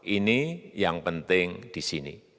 ini yang penting di sini